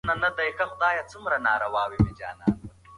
ایا په کلي کې به لا تر اوسه خلک کباب ته په ارمان وي؟